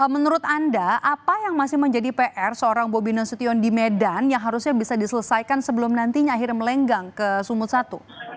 menurut anda apa yang masih menjadi pr seorang bobi nasution di medan yang harusnya bisa diselesaikan sebelum nantinya akhirnya melenggang ke sumut satu